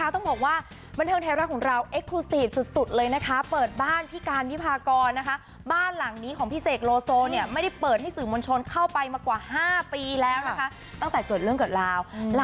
ต้องบอกว่าบันทึงไทยรัตน์ของเรา